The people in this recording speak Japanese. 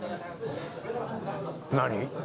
何？